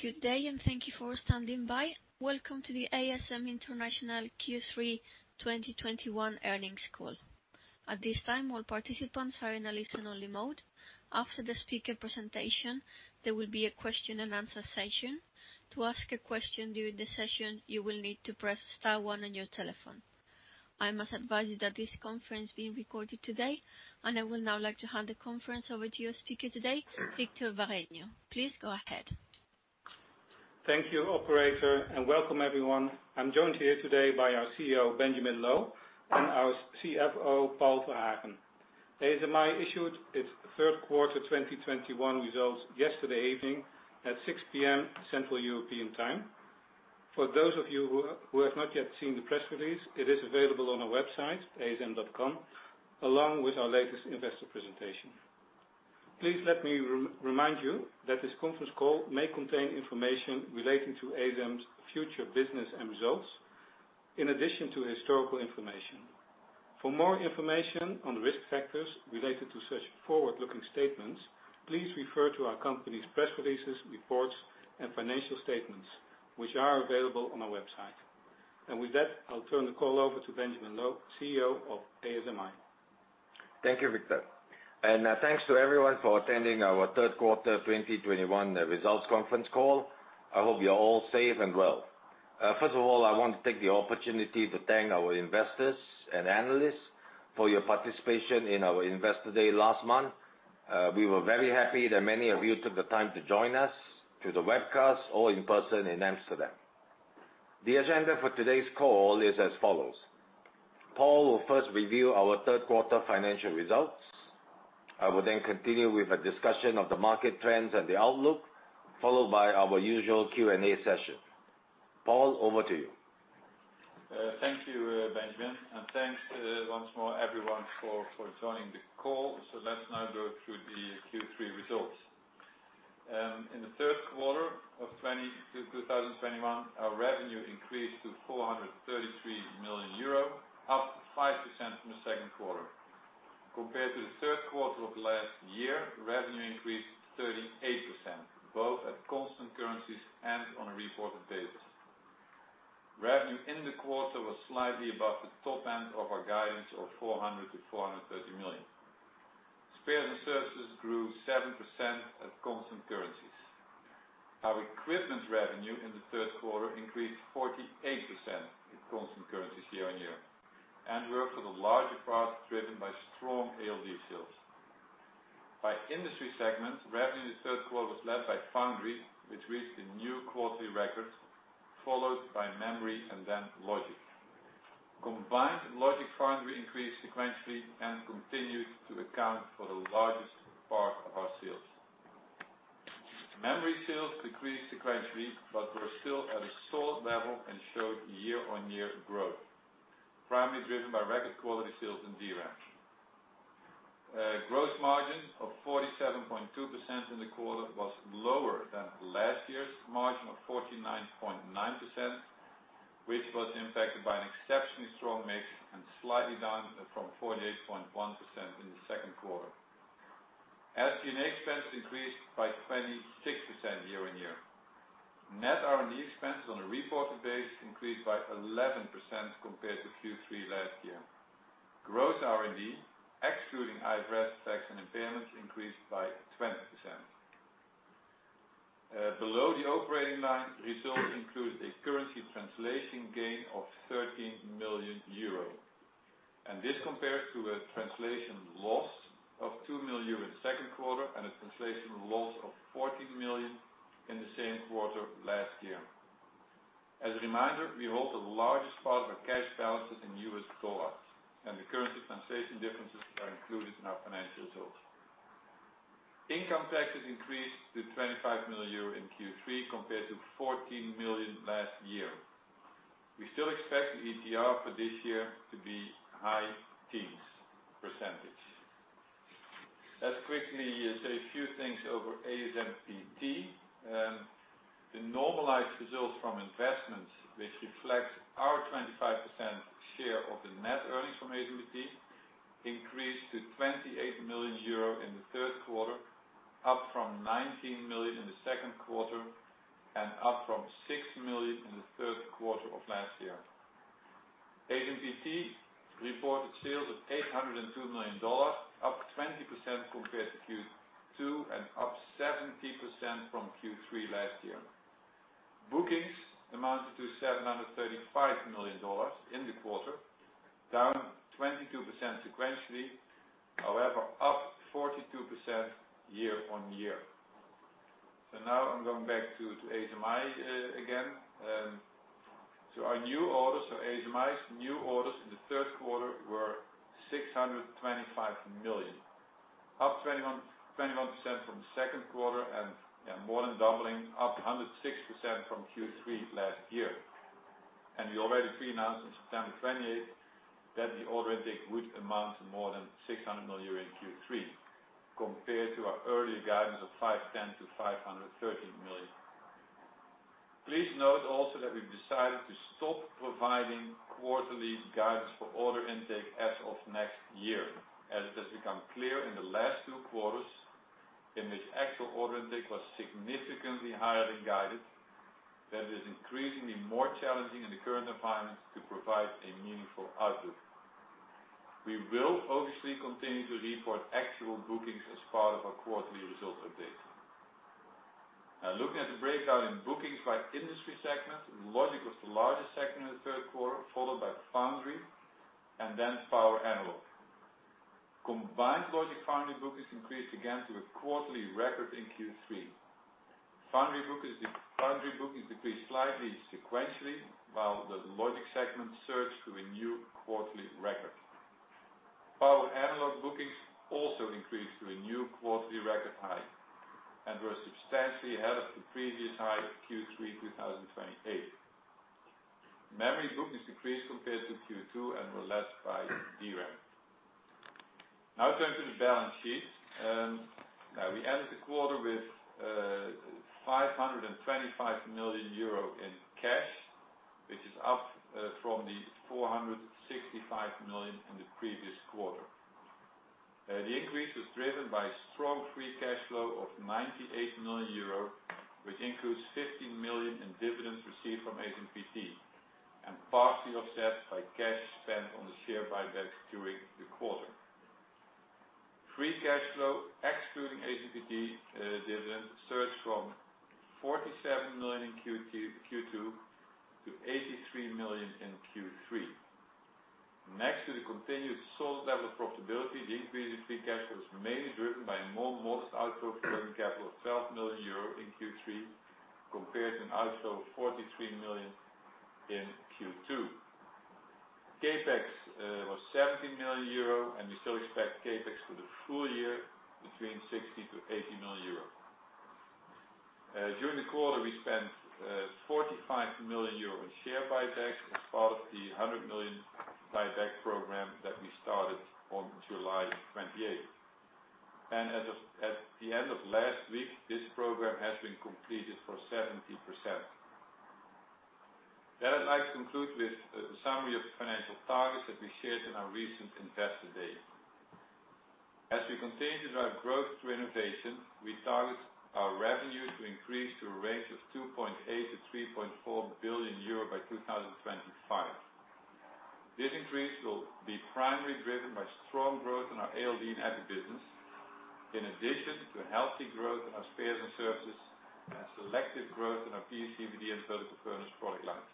Good day, and thank you for standing by. Welcome to the ASM International Q3 2021 earnings call. At this time, all participants are in a listen-only mode. After the speaker presentation, there will be a question and answer session. To ask a question during the session, you will need to press star one on your telephone. I must advise you that this conference is being recorded today. I would now like to hand the conference over to your speaker today, Victor Bareño. Please go ahead. Thank you, operator, and welcome everyone. I'm joined here today by our CEO, Benjamin Loh, and our CFO, Paul Verhagen. ASMI issued its third quarter 2021 results yesterday evening at 6:00 P.M. Central European Time. For those of you who have not yet seen the press release, it is available on our website, asm.com, along with our latest investor presentation. Please let me remind you that this conference call may contain information relating to ASMI's future business and results in addition to historical information. For more information on the risk factors related to such forward-looking statements, please refer to our company's press releases, reports, and financial statements, which are available on our website. With that, I'll turn the call over to Benjamin Loh, CEO of ASMI. Thank you, Victor. Thanks to everyone for attending our third quarter 2021 results conference call. I hope you're all safe and well. First of all, I want to take the opportunity to thank our investors and analysts for your participation in our Investor Day last month. We were very happy that many of you took the time to join us through the webcast or in person in Amsterdam. The agenda for today's call is as follows. Paul will first review our third quarter financial results. I will then continue with a discussion of the market trends and the outlook, followed by our usual Q&A session. Paul, over to you. Thank you, Benjamin, and thanks once more, everyone, for joining the call. Let's now go through the Q3 results. In the third quarter of 2021, our revenue increased to 433 million euro, up 5% from the second quarter. Compared to the third quarter of last year, revenue increased 38%, both at constant currencies and on a reported basis. Revenue in the quarter was slightly above the top end of our guidance of 400 million-430 million. Spares and services grew 7% at constant currencies. Our equipment revenue in the third quarter increased 48% at constant currencies year-on-year, and were for the larger part driven by strong ALD sales. By industry segments, revenue in the third quarter was led by Foundry, which reached a new quarterly record, followed by Memory and then Logic. Combined Logic/Foundry increased sequentially and continued to account for the largest part of our sales. Memory sales decreased sequentially but were still at a solid level and showed year-on-year growth, primarily driven by record quality sales in DRAM. Gross margin of 47.2% in the quarter was lower than last year's margin of 49.9%, which was impacted by an exceptionally strong mix and slightly down from 48.1% in the second quarter. SG&A expense increased by 26% year-on-year. Net R&D expenses on a reported basis increased by 11% compared to Q3 last year. Gross R&D, excluding IFRS tax and impairments, increased by 20%. Below the operating line, results include a currency translation gain of 13 million euro, and this compared to a translation loss of 2 million euro in the second quarter and a translation loss of 14 million in the same quarter last year. As a reminder, we hold the largest part of our cash balances in US dollars, and the currency translation differences are included in our financial results. Income taxes increased to 25 million euro in Q3 compared to 14 million last year. We still expect the ETR for this year to be high teens%. Let's quickly say a few things over ASMPT. The normalized results from investments, which reflects our 25% share of the net earnings from ASMPT, increased to 28 million euro in the third quarter, up from 19 million in the second quarter and up from 6 million in the third quarter of last year. ASMPT reported sales of $802 million, up 20% compared to Q2 and up 70% from Q3 last year. Bookings amounted to $735 million in the quarter, down 22% sequentially, however, up 42% year-on-year. Now I'm going back to ASMI again. Our new orders in the third quarter were 625 million, up 21% from the second quarter and, yeah, more than doubling, up 106% from Q3 last year. We already pre-announced on September 28th that the order intake would amount to more than 600 million euro in Q3 compared to our earlier guidance of 510 million-530 million. Please note also that we've decided to stop providing quarterly guidance for order intake as of next year, as it has become clear in the last two quarters, and this actual order intake was significantly higher than guided, that is increasingly more challenging in the current environment to provide a meaningful outlook. We will obviously continue to report actual bookings as part of our quarterly results update. Now looking at the breakout in bookings by industry segment, Logic was the largest segment in the third quarter, followed by Foundry, and then power analog. Combined Logic Foundry bookings increased again to a quarterly record in Q3. Foundry bookings decreased slightly sequentially, while the logic segment surged to a new quarterly record. Power analog bookings also increased to a new quarterly record high and were substantially ahead of the previous high of Q3 2023]. Memory bookings decreased compared to Q2 and were led by DRAM. Now turning to the balance sheet. Now we ended the quarter with 525 million euro in cash, which is up from the 465 million in the previous quarter. The increase was driven by strong free cash flow of 98 million euro, which includes 15 million in dividends received from ASMPT, and partially offset by cash spent on the share buybacks during the quarter. Free cash flow, excluding ASMPT dividends, surged from 47 million in Q2 to 83 million in Q3. Next to the continued solid level of profitability, the increase in free cash was mainly driven by modest outflow of working capital of 12 million euro in Q3, compared to an outflow of 43 million in Q2. CapEx was 17 million euro, and we still expect CapEx for the full year between 60 million and 80 million euro. During the quarter, we spent 45 million euro in share buybacks as part of the 100 million buyback program that we started on July 28. As of at the end of last week, this program has been completed for 70%. I'd like to conclude with the summary of financial targets that we shared in our recent Investor Day. As we continue to drive growth through innovation, we target our revenue to increase to a range of 2.8 billion-3.4 billion euro by 2025. This increase will be primarily driven by strong growth in our ALD and EPI business, in addition to healthy growth in our spares and services and selective growth in our PECVD and vertical furnace product lines.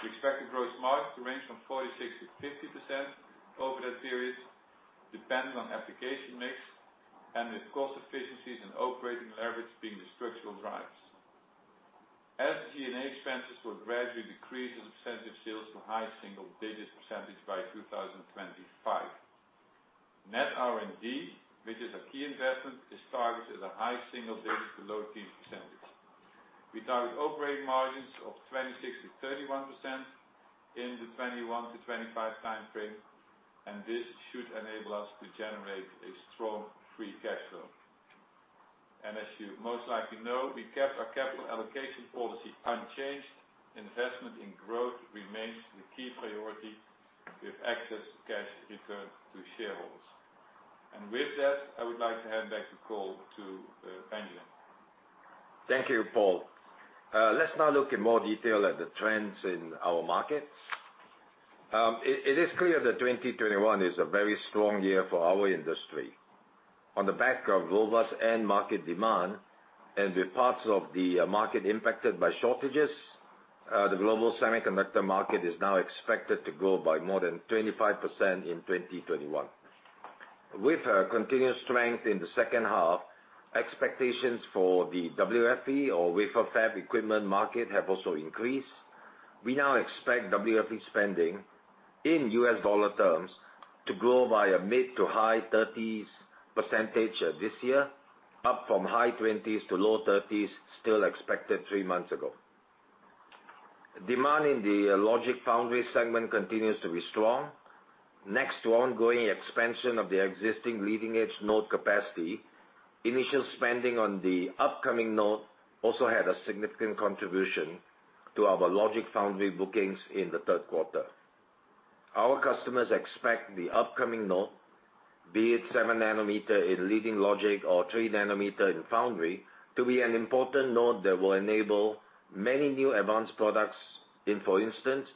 We expect the gross margin to range from 46%-50% over that period, depending on application mix and with cost efficiencies and operating leverage being the structural drivers. SG&A expenses will gradually decrease as a % of sales to high single-digit % by 2025. Net R&D, which is a key investment, is targeted at a high single-digit to low teen %. We target operating margins of 26%-31% in the 2021-2025 time frame, and this should enable us to generate a strong free cash flow. As you most likely know, we kept our capital allocation policy unchanged. Investment in growth remains the key priority, with excess cash returned to shareholders. With that, I would like to hand back the call to Benjamin. Thank you, Paul. Let's now look in more detail at the trends in our markets. It is clear that 2021 is a very strong year for our industry. On the back of robust end market demand and with parts of the market impacted by shortages, the global semiconductor market is now expected to grow by more than 25% in 2021. With a continuous strength in the second half, expectations for the WFE or wafer fab equipment market have also increased. We now expect WFE spending in U.S. dollar terms to grow by a mid- to high-30s% this year, up from high-20s to low-30s, still expected three months ago. Demand in the Logic foundry segment continues to be strong. Next to ongoing expansion of the existing leading-edge node capacity, initial spending on the upcoming node also had a significant contribution to our logic foundry bookings in the third quarter. Our customers expect the upcoming node, be it 7 nanometer in leading logic or 3 nanometer in foundry, to be an important node that will enable many new advanced products in, for instance,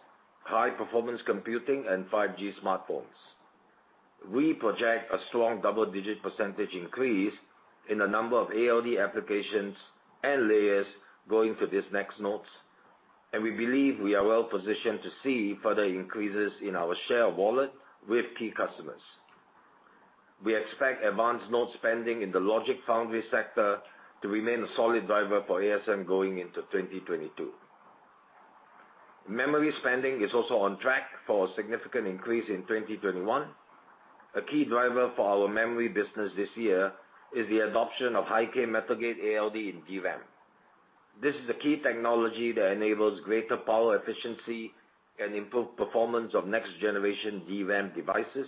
high performance computing and 5G smartphones. We project a strong double-digit % increase in the number of ALD applications and layers going to these next nodes, and we believe we are well positioned to see further increases in our share of wallet with key customers. We expect advanced node spending in the logic foundry sector to remain a solid driver for ASM going into 2022. Memory spending is also on track for a significant increase in 2021. A key driver for our memory business this year is the adoption of High-k metal gate ALD in DRAM. This is a key technology that enables greater power efficiency and improved performance of next generation DRAM devices,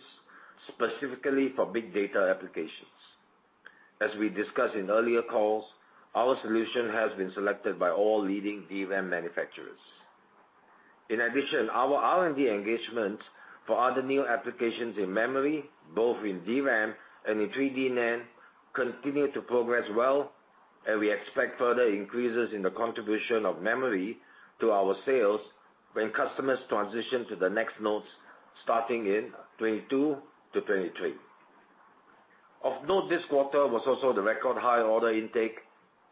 specifically for big data applications. As we discussed in earlier calls, our solution has been selected by all leading DRAM manufacturers. In addition, our R&D engagements for other new applications in memory, both in DRAM and in 3D NAND, continue to progress well, and we expect further increases in the contribution of memory to our sales when customers transition to the next nodes starting in 2022 to 2023. Of note, this quarter was also the record high order intake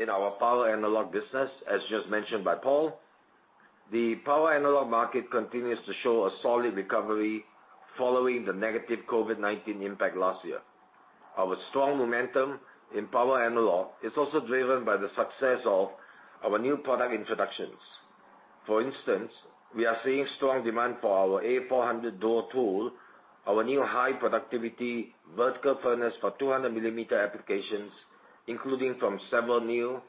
in our power analog business, as just mentioned by Paul. The power analog market continues to show a solid recovery following the negative COVID-19 impact last year. Our strong momentum in power analog is also driven by the success of our new product introductions. For instance, we are seeing strong demand for our A400 DUO tool, our new high productivity vertical furnace for 200 millimeter applications, including from several new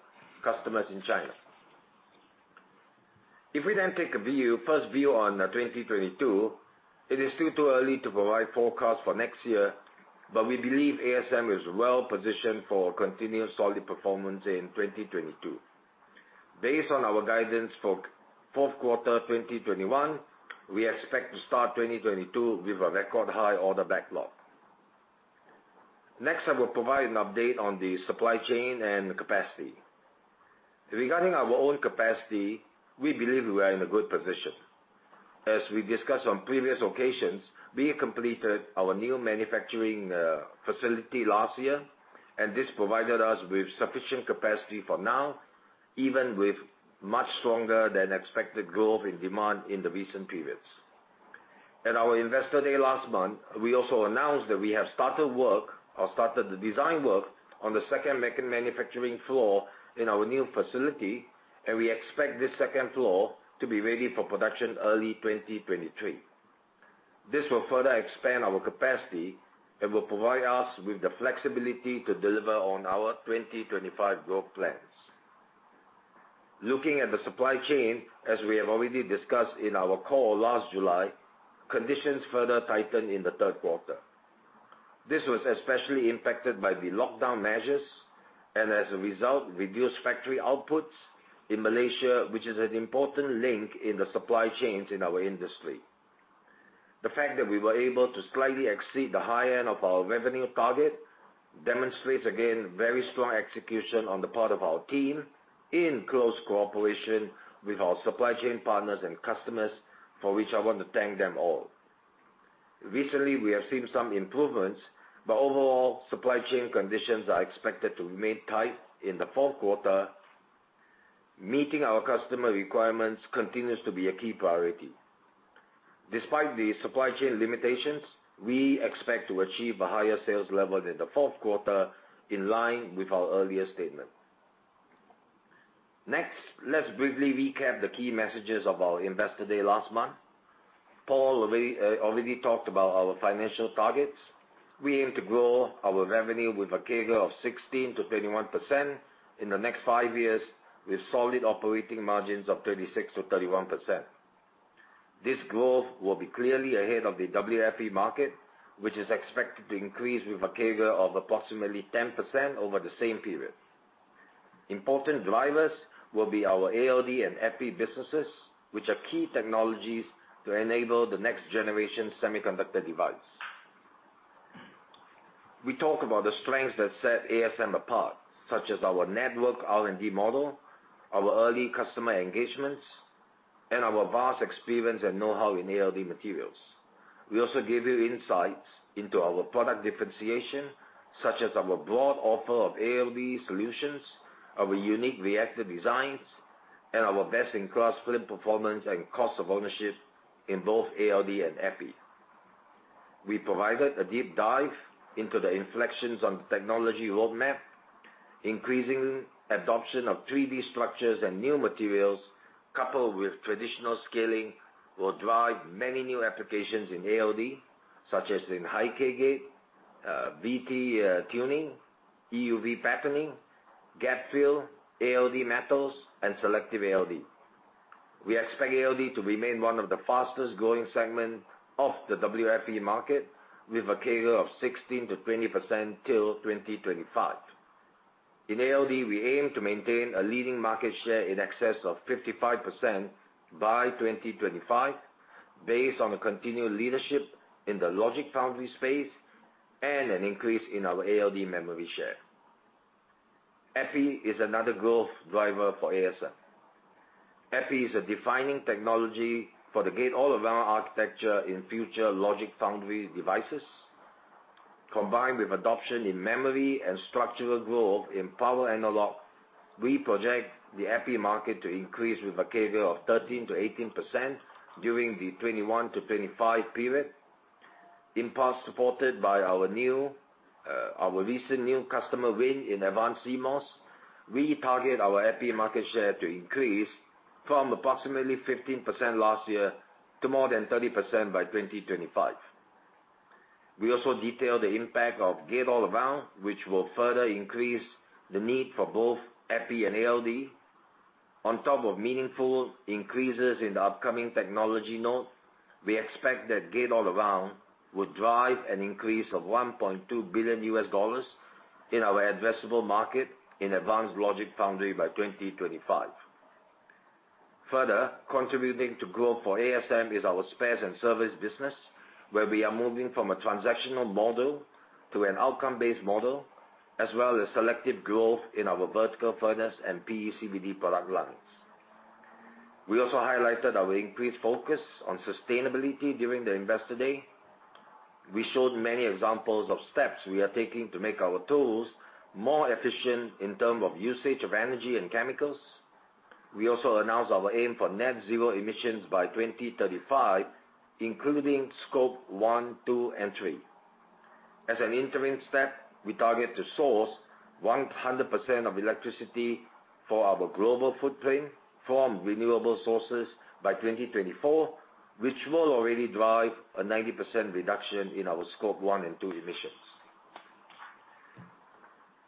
customers in China. If we then take a view, first view on 2022, it is still too early to provide forecast for next year, but we believe ASM is well positioned for continued solid performance in 2022. Based on our guidance for fourth quarter 2021, we expect to start 2022 with a record high order backlog. Next, I will provide an update on the supply chain and capacity. Regarding our own capacity, we believe we are in a good position. As we discussed on previous occasions, we completed our new manufacturing facility last year, and this provided us with sufficient capacity for now, even with much stronger than expected growth in demand in the recent periods. At our Investor Day last month, we also announced that we have started the design work on the second manufacturing floor in our new facility, and we expect this second floor to be ready for production early 2023. This will further expand our capacity and will provide us with the flexibility to deliver on our 2025 growth plans. Looking at the supply chain, as we have already discussed in our call last July, conditions further tightened in the third quarter. This was especially impacted by the lockdown measures and, as a result, reduced factory outputs in Malaysia, which is an important link in the supply chains in our industry. The fact that we were able to slightly exceed the high end of our revenue target demonstrates, again, very strong execution on the part of our team in close cooperation with our supply chain partners and customers, for which I want to thank them all. Recently, we have seen some improvements, but overall supply chain conditions are expected to remain tight in the fourth quarter. Meeting our customer requirements continues to be a key priority. Despite the supply chain limitations, we expect to achieve a higher sales level in the fourth quarter in line with our earlier statement. Next, let's briefly recap the key messages of our Investor Day last month. Paul already talked about our financial targets. We aim to grow our revenue with a CAGR of 16%-21% in the next 5 years, with solid operating margins of 36%-31%. This growth will be clearly ahead of the WFE market, which is expected to increase with a CAGR of approximately 10% over the same period. Important drivers will be our ALD and EPI businesses, which are key technologies to enable the next generation semiconductor device. We talk about the strengths that set ASM apart, such as our network R&D model, our early customer engagements, and our vast experience and know-how in ALD materials. We also give you insights into our product differentiation, such as our broad offer of ALD solutions, our unique reactor designs, and our best-in-class film performance and cost of ownership in both ALD and EPI. We provided a deep dive into the inflections on the technology roadmap, increasing adoption of 3D structures and new materials, coupled with traditional scaling, will drive many new applications in ALD, such as in High-k gate, VT tuning, EUV patterning, gapfill, ALD metals, and selective ALD. We expect ALD to remain one of the fastest growing segment of the WFE market with a CAGR of 16%-20% till 2025. In ALD, we aim to maintain a leading market share in excess of 55% by 2025, based on the continued leadership in the logic foundry space and an increase in our ALD memory share. EPI is another growth driver for ASM. EPI is a defining technology for the gate-all-around architecture in future logic foundry devices. Combined with adoption in memory and structural growth in power analog, we project the EPI market to increase with a CAGR of 13%-18% during the 2021-2025 period. In part supported by our new, our recent new customer win in advanced CMOS, we target our EPI market share to increase from approximately 15% last year to more than 30% by 2025. We also detail the impact of gate-all-around, which will further increase the need for both EPI and ALD. On top of meaningful increases in the upcoming technology node, we expect that gate-all-around would drive an increase of $1.2 billion in our addressable market in advanced logic foundry by 2025. Further, contributing to growth for ASM is our spares and service business, where we are moving from a transactional model to an outcome-based model, as well as selective growth in our vertical furnace and PECVD product lines. We also highlighted our increased focus on sustainability during the Investor Day. We showed many examples of steps we are taking to make our tools more efficient in terms of usage of energy and chemicals. We also announced our aim for net zero emissions by 2035, including scope 1, 2, and 3. As an interim step, we target to source 100% of electricity for our global footprint from renewable sources by 2024, which will already drive a 90% reduction in our scope 1 and 2 emissions.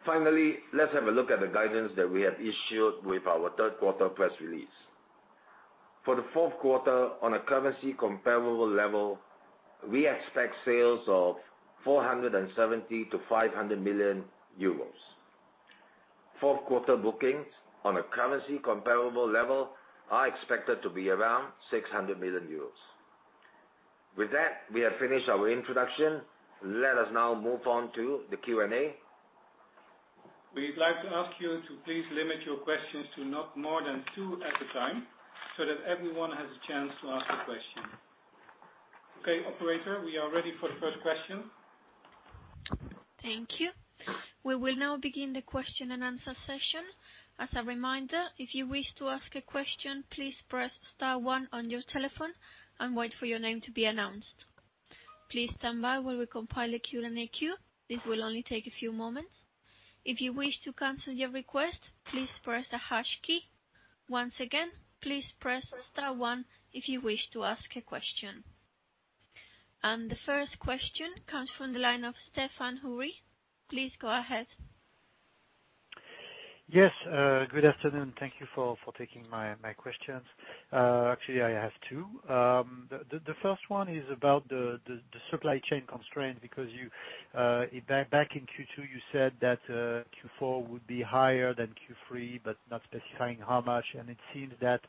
Finally, let's have a look at the guidance that we have issued with our third quarter press release. For the fourth quarter, on a currency comparable level, we expect sales of 470 million-500 million euros. Fourth quarter bookings on a currency comparable level are expected to be around 600 million euros. With that, we have finished our introduction. Let us now move on to the Q&A. We'd like to ask you to please limit your questions to not more than two at a time so that everyone has a chance to ask a question. Okay, operator, we are ready for the first question. Thank you. We will now begin the question-and-answer session. As a reminder, if you wish to ask a question, please press star one on your telephone and wait for your name to be announced. Please stand by while we compile the Q&A queue. This will only take a few moments. If you wish to cancel your request, please press hash key. Once again, please press star one if you wish to ask a question. The first question comes from the line of Stéphane Houri. Please go ahead. Yes, good afternoon. Thank you for taking my questions. Actually, I have two. The first one is about the supply chain constraint, because you back in Q2, you said that Q4 would be higher than Q3, but not specifying how much. It seems that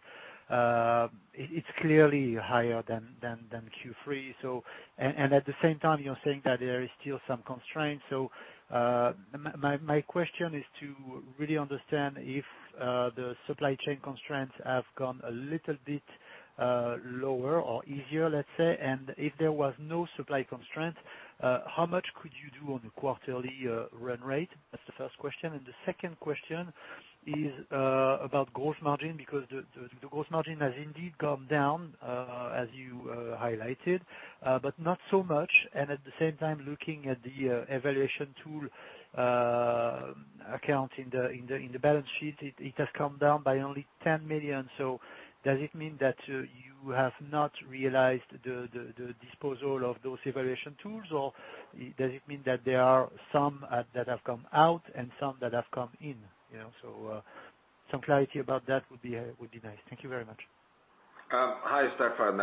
it's clearly higher than Q3. At the same time, you're saying that there is still some constraints. My question is to really understand if the supply chain constraints have gone a little bit lower or easier, let's say. If there was no supply constraints, how much could you do on a quarterly run rate? That's the first question. The second question is about gross margin, because the gross margin has indeed gone down as you highlighted, but not so much. At the same time, looking at the evaluation tool account in the balance sheet, it has come down by only 10 million. Does it mean that you have not realized the disposal of those evaluation tools, or does it mean that there are some that have come out and some that have come in? You know? Some clarity about that would be nice. Thank you very much. Hi, Stéphane.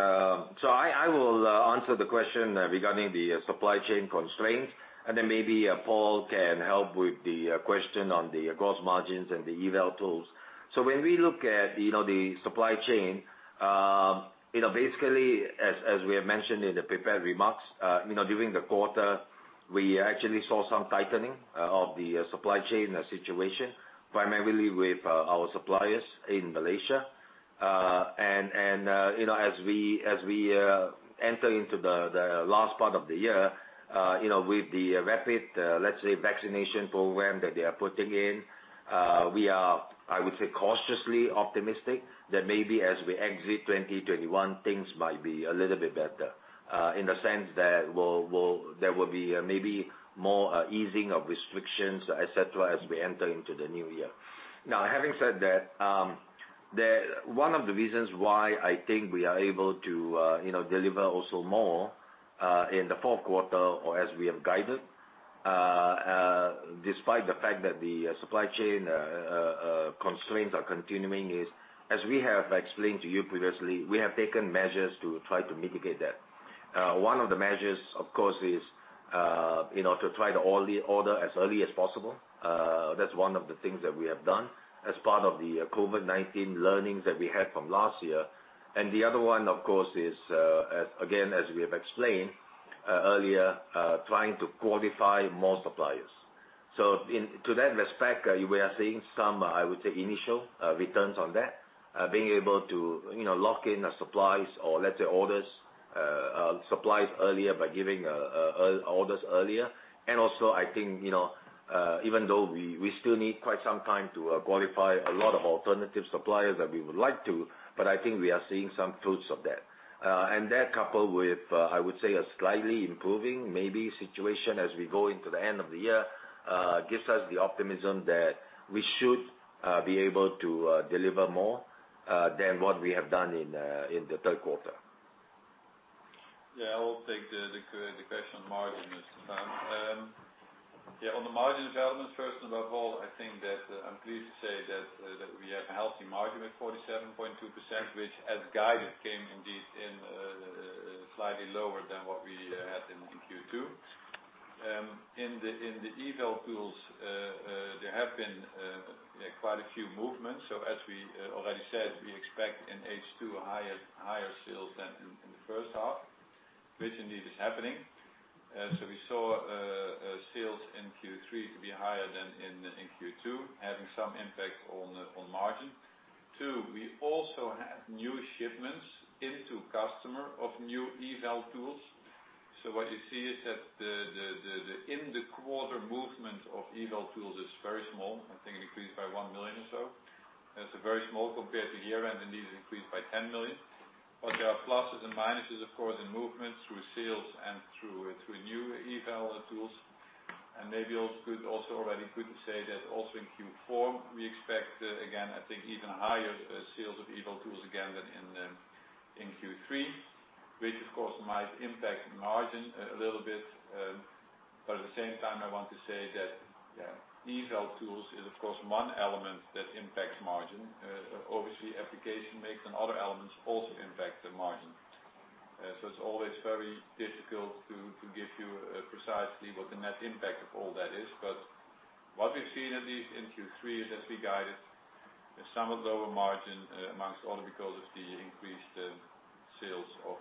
I will answer the question regarding the supply chain constraints, and then maybe Paul can help with the question on the gross margins and the eval tools. When we look at, you know, the supply chain, you know, basically as we have mentioned in the prepared remarks, you know, during the quarter, we actually saw some tightening of the supply chain situation, primarily with our suppliers in Malaysia. You know, as we enter into the last part of the year, you know, with the rapid, let's say vaccination program that they are putting in, we are, I would say cautiously optimistic that maybe as we exit 2021, things might be a little bit better in the sense that we'll there will be maybe more easing of restrictions, et cetera, as we enter into the new year. Now, having said that, one of the reasons why I think we are able to, you know, deliver also more in the fourth quarter or as we have guided, despite the fact that the supply chain constraints are continuing is, as we have explained to you previously, we have taken measures to try to mitigate that. One of the measures, of course, is, you know, to try to early order as early as possible. That's one of the things that we have done as part of the COVID-19 learnings that we had from last year. The other one, of course, is again, as we have explained earlier, trying to qualify more suppliers. In that respect, we are seeing some, I would say, initial returns on that, being able to, you know, lock in our supplies or let's say orders, supplies earlier by giving orders earlier. Also I think, you know, even though we still need quite some time to qualify a lot of alternative suppliers that we would like to, but I think we are seeing some fruits of that. That coupled with, I would say, a slightly improving maybe situation as we go into the end of the year gives us the optimism that we should be able to deliver more than what we have done in the third quarter. Yeah, I'll take the question on margin this time. Yeah, on the margin development, first and above all, I think that I'm pleased to say that we have a healthy margin with 47.2%, which as guided came indeed in slightly lower than what we had in Q2. In the eval tools, there have been you know quite a few movements. As we already said, we expect in H2 higher sales than in the first half, which indeed is happening. We saw sales in Q3 to be higher than in Q2, having some impact on margin. Too, we also have new shipments into customer of new eval tools. What you see is that the movement in the quarter of eval tools is very small. I think it increased by 1 million or so. It's very small compared to year-end, and this increased by 10 million. There are pluses and minuses, of course, in movement through sales and through new eval tools. It's also good to say already that also in Q4, we expect again, I think even higher sales of eval tools again than in Q3, which of course might impact margin a little bit. At the same time, I want to say that, yeah, eval tools is of course one element that impacts margin. Obviously, application mix and other elements also impact the margin. It's always very difficult to give you precisely what the net impact of all that is. What we've seen at least in Q3 is as we guided is somewhat lower margin, amongst other because of the increased sales of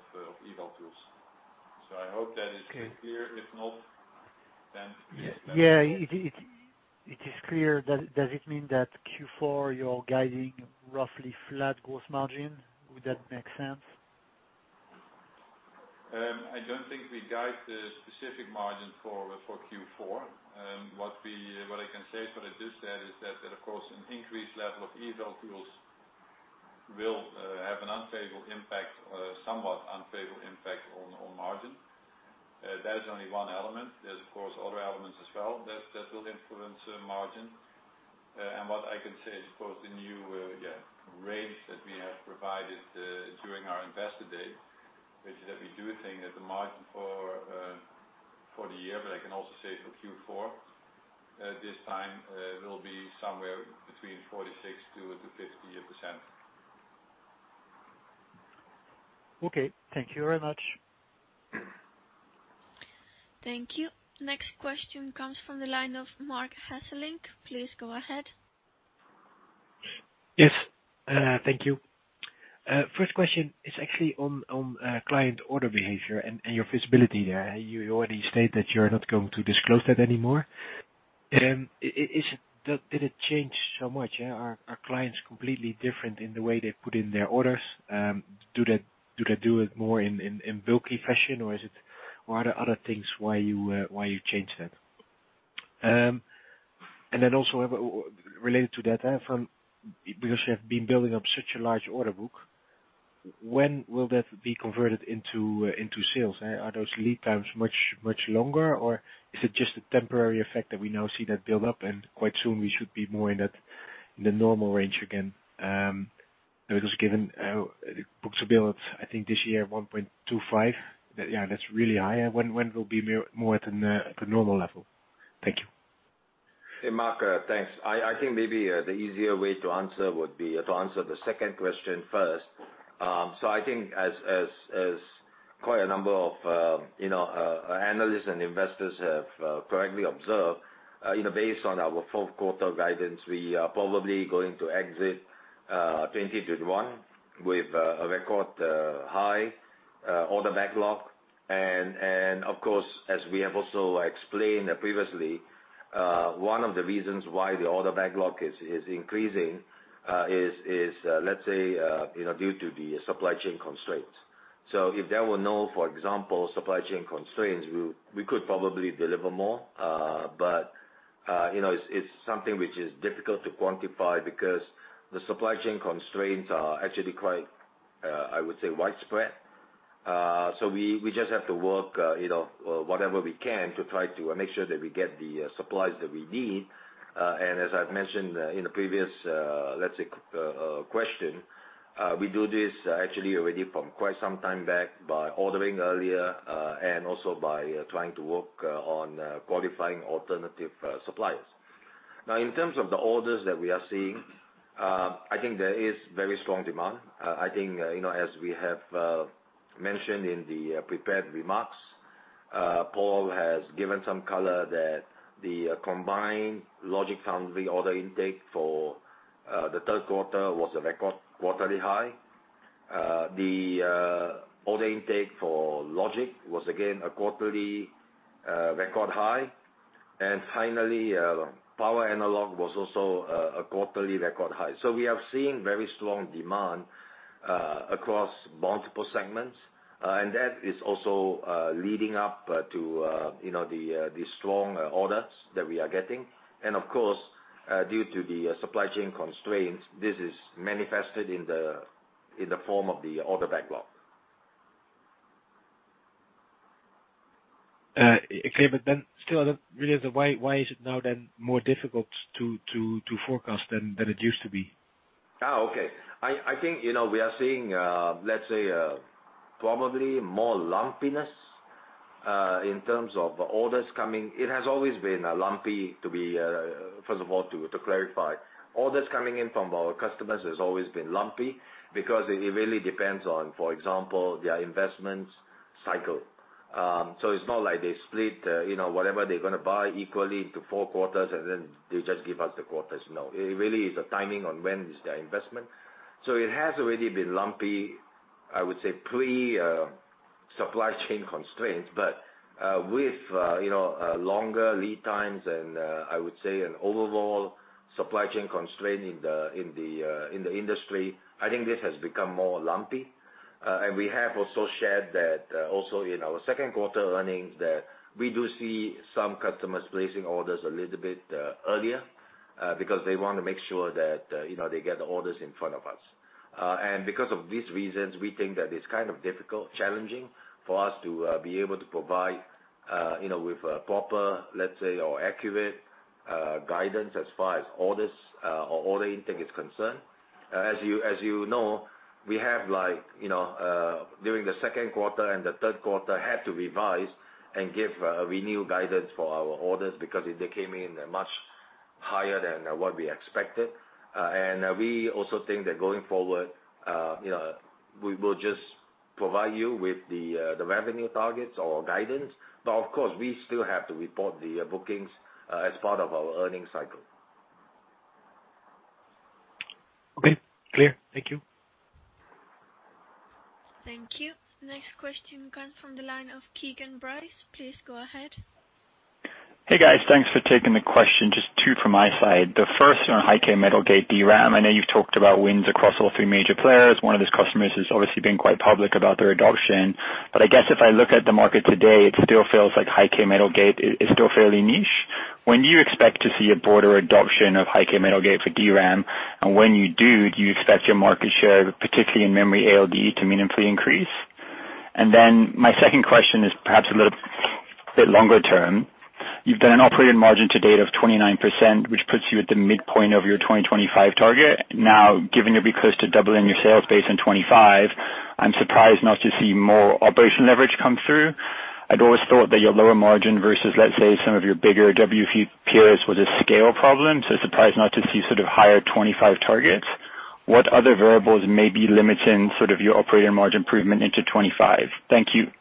eval tools. I hope that is clear. If not, then please- Yeah. It is clear. Does it mean that Q4, you're guiding roughly flat gross margin? Would that make sense? I don't think we guide the specific margin for Q4. What I can say for it is that of course, an increased level of eval tools will have a somewhat unfavorable impact on margin. That is only one element. There's of course other elements as well that will influence margin. What I can say is, of course, the new range that we have provided during our Investor Day, which is that we do think that the margin for the year, but I can also say for Q4, at this time, will be somewhere between 46%-50%. Okay. Thank you very much. Thank you. Next question comes from the line of Marc Hesselink. Please go ahead. Yes. Thank you. First question is actually on client order behavior and your visibility there. You already stated that you're not going to disclose that anymore. Did it change so much? Yeah. Are clients completely different in the way they put in their orders? Do they do it more in bulky fashion? What are other things why you changed that? Then also related to that, because you have been building up such a large order book, when will that be converted into sales? Are those lead times much longer, or is it just a temporary effect that we now see that build-up and quite soon we should be more in the normal range again? Just given the books are built, I think this year 1.25. That's really high. When will be more at the normal level? Thank you. Hey, Marc. Thanks. I think maybe the easier way to answer would be to answer the second question first. I think as quite a number of analysts and investors have correctly observed, you know, based on our fourth quarter guidance, we are probably going to exit 2021 with a record high order backlog. Of course, as we have also explained previously, one of the reasons why the order backlog is increasing is, let's say, you know, due to the supply chain constraints. If there were no, for example, supply chain constraints, we could probably deliver more. You know, it's something which is difficult to quantify because the supply chain constraints are actually quite, I would say, widespread. We just have to work, you know, whatever we can to try to make sure that we get the supplies that we need. As I've mentioned in the previous, let's say, question, we do this actually already from quite some time back by ordering earlier, and also by trying to work on qualifying alternative suppliers. Now, in terms of the orders that we are seeing, I think there is very strong demand. I think, you know, as we have mentioned in the prepared remarks, Paul has given some color that the combined logic foundry order intake for the third quarter was a record quarterly high. The order intake for logic was again a quarterly record high. Finally, power analog was also a quarterly record high. We have seen very strong demand across multiple segments, and that is also leading up to, you know, the strong orders that we are getting. Of course, due to the supply chain constraints, this is manifested in the form of the order backlog. Okay, still the why is it now then more difficult to forecast than it used to be? Okay. I think, you know, we are seeing, let's say, probably more lumpiness in terms of orders coming. It has always been lumpy, to be first of all, to clarify. Orders coming in from our customers has always been lumpy because it really depends on, for example, their investment cycle. It's not like they split, you know, whatever they're gonna buy equally into four quarters, and then they just give us the quarters. No. It really is a timing on when is their investment. It has already been lumpy, I would say, pre-supply chain constraints. With, you know, longer lead times and, I would say, an overall supply chain constraint in the industry, I think this has become more lumpy. We have also shared that, also in our second quarter earnings, that we do see some customers placing orders a little bit earlier, because they want to make sure that, you know, they get the orders in front of us. Because of these reasons, we think that it's kind of difficult, challenging for us to be able to provide, you know, with a proper, let's say, or accurate, guidance as far as orders, or order intake is concerned. As you know, we have like, you know, during the second quarter and the third quarter, had to revise and give a renewed guidance for our orders because they came in much higher than what we expected. We also think that going forward, you know, we will just provide you with the revenue targets or guidance. Of course, we still have to report the bookings, as part of our earnings cycle. Okay. Clear. Thank you. Thank you. Next question comes from the line of Keagan Bryce. Please go ahead. Hey, guys. Thanks for taking the question. Just two from my side. The first on High-K metal gate DRAM. I know you've talked about wins across all three major players. One of those customers has obviously been quite public about their adoption. I guess if I look at the market today, it still feels like High-K metal gate is still fairly niche. When do you expect to see a broader adoption of High-K metal gate for DRAM? And when you do you expect your market share, particularly in memory ALD, to meaningfully increase? Then my second question is perhaps a little bit longer term. You've done an operating margin to date of 29%, which puts you at the midpoint of your 2025 target. Now, given you'll be close to doubling your sales base in 2025, I'm surprised not to see more operational leverage come through. I'd always thought that your lower margin versus, let's say, some of your bigger WFE peers was a scale problem, so surprised not to see sort of higher 2025 targets. What other variables may be limiting sort of your operating margin improvement into 2025? Thank you.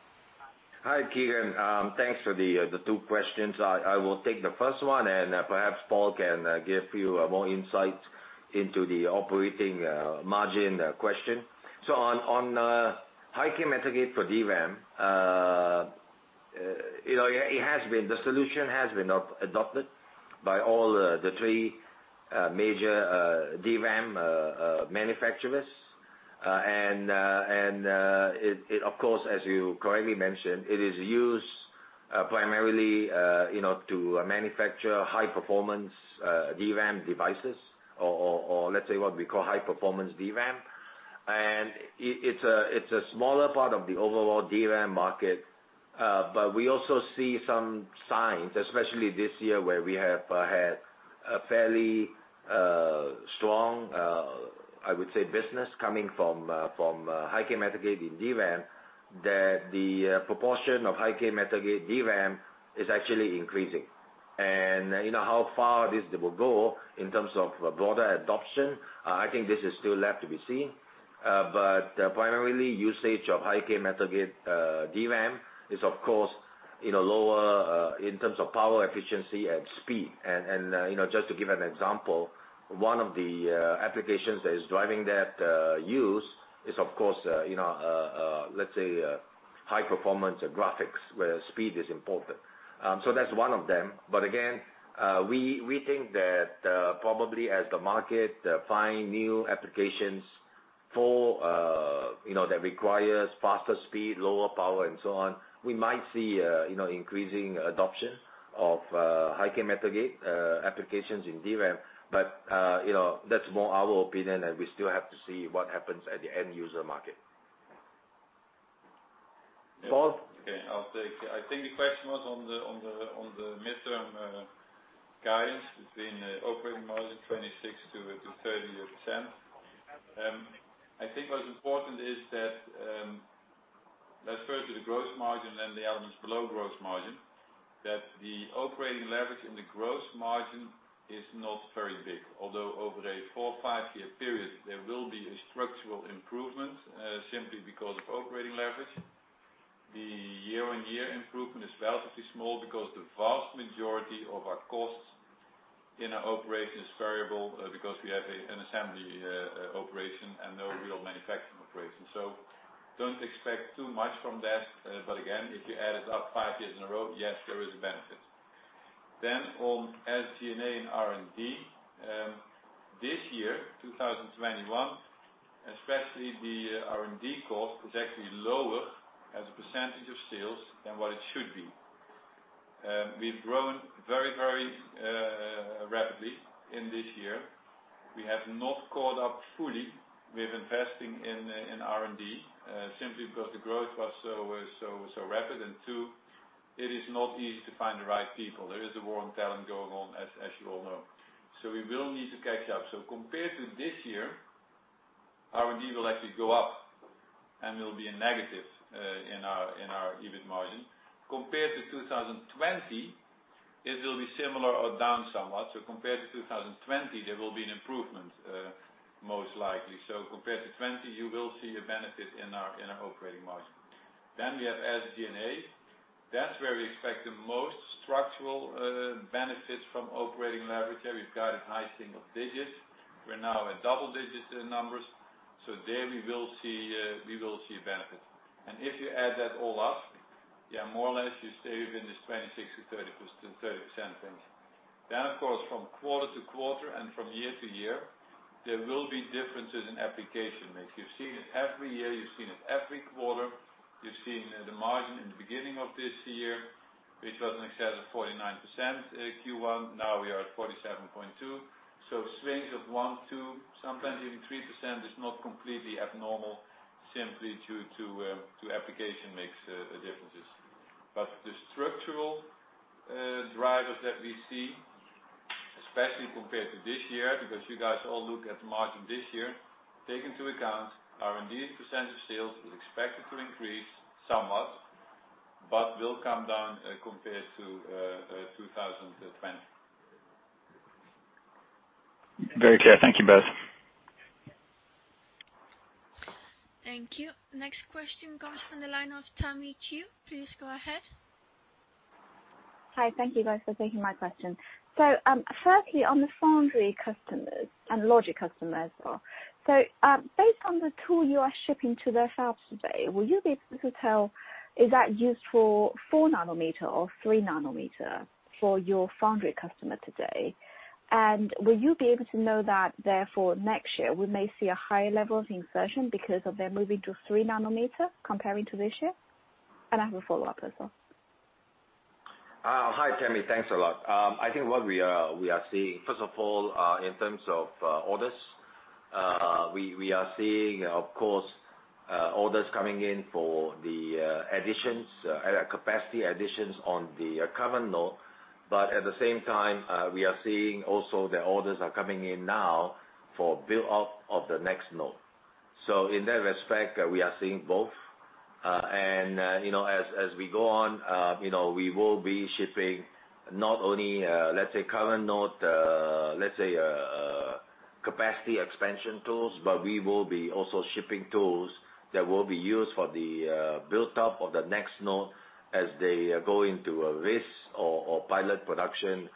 Hi, Keagan. Thanks for the two questions. I will take the first one, and perhaps Paul can give you more insight into the operating margin question. On high-K metal gate for DRAM, you know, the solution has been adopted by all the three major DRAM manufacturers. And it of course, as you correctly mentioned, it is used primarily you know to manufacture high performance DRAM devices, or let's say what we call high performance DRAM. And it's a smaller part of the overall DRAM market. We also see some signs, especially this year, where we have had a fairly strong, I would say, business coming from high-K metal gate in DRAM, that the proportion of high-K metal gate DRAM is actually increasing. You know how far this will go in terms of broader adoption, I think this is still left to be seen. Primary usage of high-K metal gate DRAM is of course, you know, lower in terms of power efficiency and speed. You know, just to give an example, one of the applications that is driving that use is of course, you know, let's say, high performance graphics, where speed is important. That's one of them. Again, we think that probably as the market find new applications for you know that requires faster speed, lower power and so on, we might see you know increasing adoption of High-K metal gate applications in DRAM. You know, that's more our opinion, and we still have to see what happens at the end user market. Paul? Okay. I'll take. I think the question was on the midterm guidance between operating margin 26%-30%. I think what's important is that, let's first do the gross margin, then the elements below gross margin, that the operating leverage in the gross margin is not very big. Although over a 4- or 5-year period, there will be a structural improvement, simply because of operating leverage. The year-on-year improvement is relatively small because the vast majority of our costs in our operation is variable, because we have an assembly operation and no real manufacturing operation. So don't expect too much from that. But again, if you add it up five years in a row, yes, there is a benefit. On SG&A and R&D, this year, 2021, especially the R&D cost is actually lower as a percentage of sales than what it should be. We've grown very rapidly in this year. We have not caught up fully with investing in R&D, simply because the growth was so rapid. Two, it is not easy to find the right people. There is a war on talent going on as you all know. We will need to catch up. Compared to this year, R&D will actually go up and will be a negative in our EBIT margin. Compared to 2020, it will be similar or down somewhat. Compared to 2020, there will be an improvement most likely. Compared to 2020, you will see a benefit in our operating margin. We have SG&A. That's where we expect the most structural benefits from operating leverage. We've guided high single digits. We're now in double-digit numbers. There we will see benefits. If you add that all up, yeah, more or less you stay within this 26%-30% range. Of course, from quarter-to- quarter and from year- to-year, there will be differences in application mix. You've seen it every year, you've seen it every quarter. You've seen the margin in the beginning of this year, which was in excess of 49% in Q1. Now we are at 47.2. Swings of 1, 2, sometimes even 3% is not completely abnormal simply due to application mix differences. The structural drivers that we see, especially compared to this year, because you guys all look at the margin this year, take into account R&D as a % of sales is expected to increase somewhat but will come down, compared to 2020. Very clear. Thank you both. Thank you. Next question comes from the line of Tammy Qiu. Please go ahead. Hi. Thank you guys for taking my question. Firstly on the Foundry customers and Logic customers. Based on the tool you are shipping to their shops today, will you be able to tell is that used for 4 nanometer or 3 nanometer for your Foundry customer today? And will you be able to know that therefore next year we may see a higher level of insertion because of them moving to 3 nanometer comparing to this year? I have a follow-up as well. Hi, Tammy. Thanks a lot. I think what we are seeing, first of all, in terms of orders, we are seeing of course orders coming in for the additions, capacity additions on the current node. At the same time, we are seeing also the orders are coming in now for build out of the next node. In that respect, we are seeing both. You know, as we go on, you know, we will be shipping not only, let's say, current node, let's say, capacity expansion tools, but we will be also shipping tools that will be used for the build up of the next node as they go into a risk or pilot production,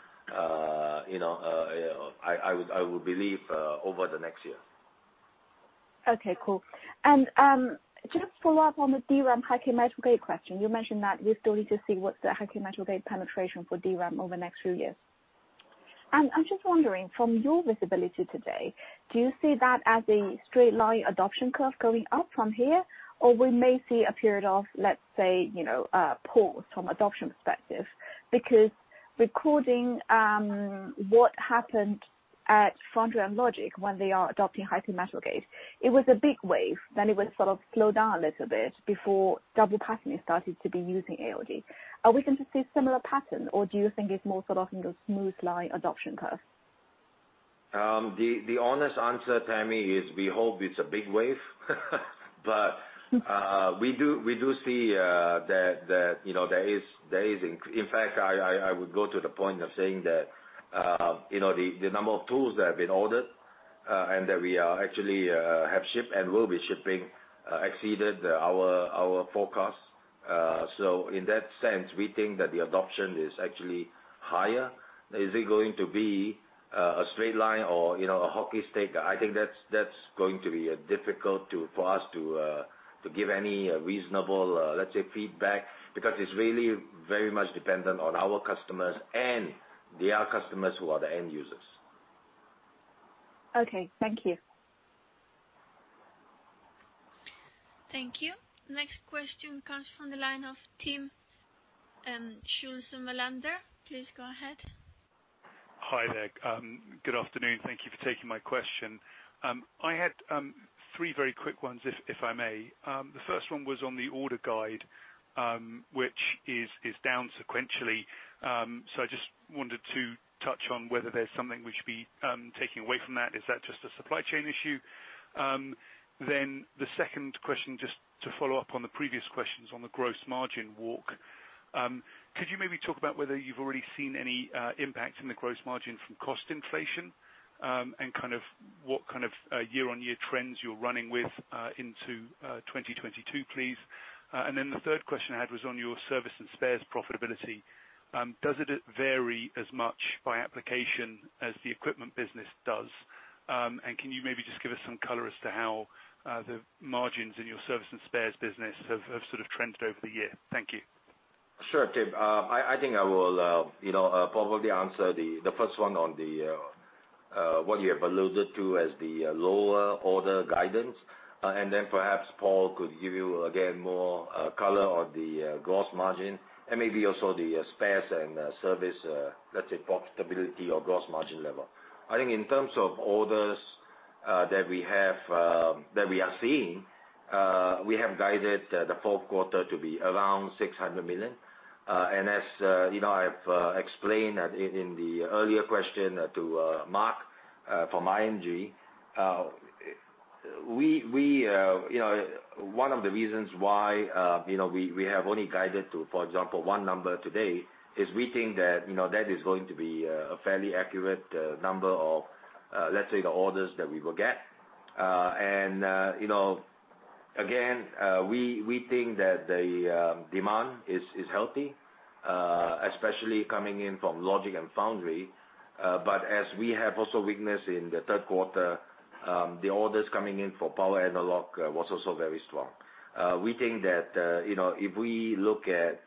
you know, I would believe over the next year. Okay, cool. Just follow up on the DRAM high-k metal gate question. You mentioned that you still need to see what the high-k metal gate penetration for DRAM over the next few years. I'm just wondering from your visibility today, do you see that as a straight line adoption curve going up from here? Or we may see a period of, let's say, you know, a pause from adoption perspective. Because recalling what happened at foundry and logic when they are adopting high-k metal gate, it was a big wave, then it would sort of slow down a little bit before double patterning started to be using ALD. Are we going to see a similar pattern or do you think it's more sort of in a smooth line adoption curve? The honest answer, Tammy, is we hope it's a big wave. We do see that, you know, there is in fact I would go to the point of saying that, you know, the number of tools that have been ordered and that we actually have shipped and will be shipping exceeded our forecast. In that sense, we think that the adoption is actually higher. Is it going to be a straight line or, you know, a hockey stick? I think that's going to be difficult for us to give any reasonable, let's say, feedback, because it's really very much dependent on our customers and their customers who are the end users. Okay. Thank you. Thank you. Next question comes from the line of Timm Schulze-Melander. Please go ahead. Hi there. Good afternoon. Thank you for taking my question. I had three very quick ones if I may. The first one was on the order guide, which is down sequentially. I just wanted to touch on whether there's something we should be taking away from that. Is that just a supply chain issue? The second question, just to follow up on the previous questions on the gross margin walk. Could you maybe talk about whether you've already seen any impact in the gross margin from cost inflation and kind of what kind of year-on-year trends you're running with into 2022, please. The third question I had was on your service and spares profitability. Does it vary as much by application as the equipment business does? Can you maybe just give us some color as to how the margins in your service and spares business have sort of trended over the year? Thank you. Sure, Timm. I think I will, you know, probably answer the first one on the What you have alluded to as the lower order guidance. Then perhaps Paul could give you again more color on the gross margin and maybe also the spares and service, let's say profitability or gross margin level. I think in terms of orders that we are seeing, we have guided the fourth quarter to be around 600 million. As you know, I've explained in the earlier question to Mark from ING, we you know, one of the reasons why you know, we have only guided to, for example, one number today, is we think that you know, that is going to be a fairly accurate number of let's say the orders that we will get. You know, again, we think that the demand is healthy. Especially coming in from logic and foundry. As we have also witnessed in the third quarter, the orders coming in for power analog was also very strong. We think that you know, if we look at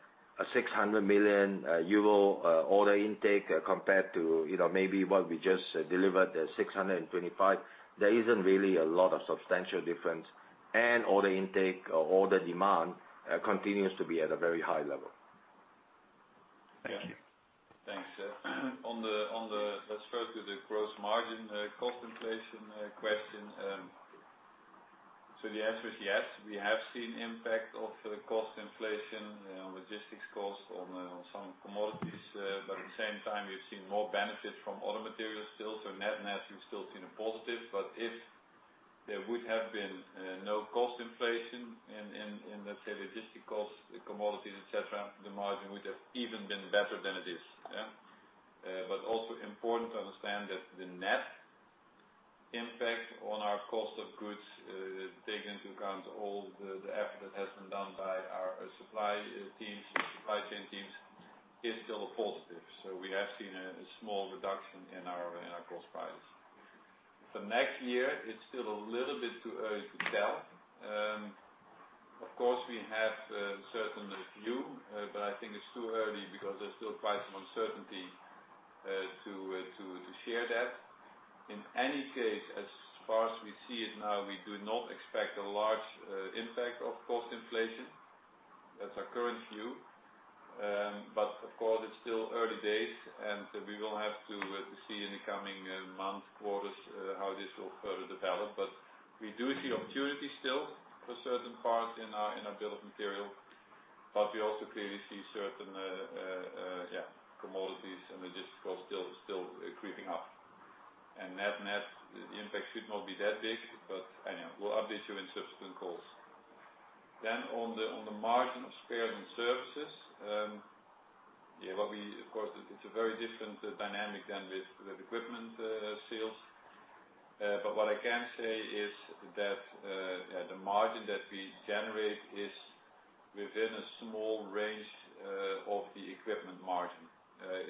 600 million euro order intake compared to you know, maybe what we just delivered 625, there isn't really a lot of substantial difference. Order intake or order demand continues to be at a very high level. Thank you. Thanks. Let's first do the gross margin, cost inflation, question. The answer is yes, we have seen impact of the cost inflation, you know, logistics cost on some commodities. At the same time, we've seen more benefit from other materials still. Net-net, we've still seen a positive. If there would have been no cost inflation in, let's say, logistic cost, the commodities, et cetera, the margin would have even been better than it is. Yeah. Also important to understand that the net impact on our cost of goods, take into account all the effort that has been done by our supply teams, supply chain teams, is still a positive. We have seen a small reduction in our cost price. For next year, it's still a little bit too early to tell. Of course, we have a certain view, but I think it's too early because there's still quite some uncertainty to share that. In any case, as far as we see it now, we do not expect a large impact of cost inflation. That's our current view. Of course, it's still early days, and we will have to see in the coming months, quarters how this will further develop. We do see opportunity still for certain parts in our bill of material. We also clearly see certain yeah, commodities and logistics costs still creeping up. And net-net, the impact should not be that big. Anyway, we'll update you in subsequent calls. Of course, it's a very different dynamic than with the equipment sales. What I can say is that the margin that we generate is within a small range of the equipment margin.